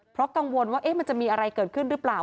เพราะกังวลว่ามันจะมีอะไรเกิดขึ้นหรือเปล่า